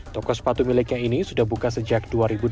toko sepatu miliknya ini sudah buka sejak dua ribu delapan